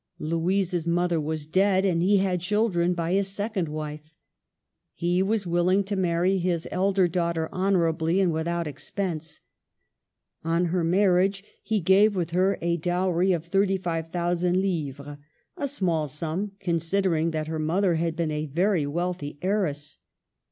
Louisa's mother was dead, and he had children by his second wife. He was willing to marry his elder daughter honorably and without expense. On her marriage he gave with her a dowry of 3 5 ,000 livres, — a small sum, considering that her mother had been a very wealthy heiress.